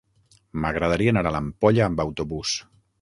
M'agradaria anar a l'Ampolla amb autobús.